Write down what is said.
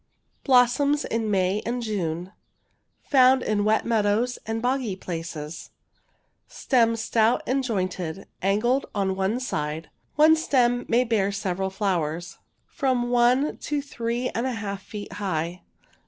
Blossoms in May and Jmie. Fonnd in wet meadows and boggy places. Stem stout and jointed— angled on one side — one stem may bear several flowers— from one to three and a half feet high.